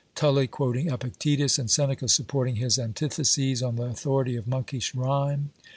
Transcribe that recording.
Tully quoting Epictetus, and Seneca supporting his antitheses on the authority of monkish rhyme